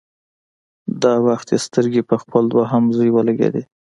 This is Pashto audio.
دا وخت يې سترګې په خپل دويم زوی ولګېدې.